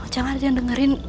jangan ada yang dengerin